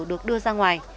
được đưa ra ngoài